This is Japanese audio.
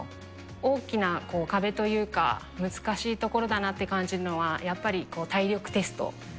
大きな壁というか、難しいところだなって感じるのは、やっぱり、体力テスト。